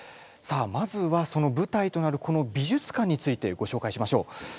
さあまずはその舞台となるこの美術館についてご紹介しましょう。